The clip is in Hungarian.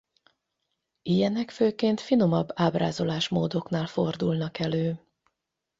Ilyenek főként finomabb ábrázolásmódoknál fordulnak elő.